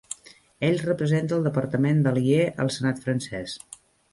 Ell representa el departament d'Allier al senat francès.